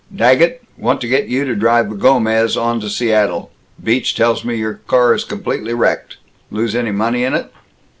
Daggett, want to get you to drive the Gomez on to Seattle. Beach tells me your car is completely wrecked. Lose any money in it?"